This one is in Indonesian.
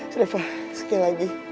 sereva sekian lagi